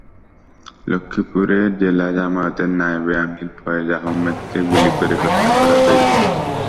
লক্ষ্মীপুরে জেলা জামায়াতের নায়েবে আমির ফয়েজ আহমদকে গুলি করে হত্যা করা হয়েছে।